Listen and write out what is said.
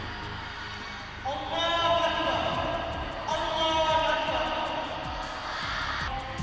pun turut menjadi sorotan